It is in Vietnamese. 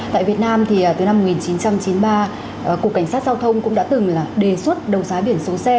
tại việt nam thì từ năm một nghìn chín trăm chín mươi ba cục cảnh sát giao thông cũng đã từng là đề xuất đầu giá biển số xe